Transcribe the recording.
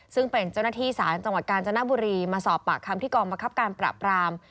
ซึ่งเป็นเจ้าหน้าที่ศาลจังหวัดกาญจนบุรีมาสอบปากคำที่กองบังคับการปราบราม